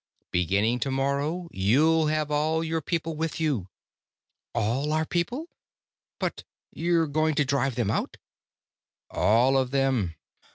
Beginning tomorrow, you'll have all your people with you." "All our people? But you're going to drive them out?" "All of them.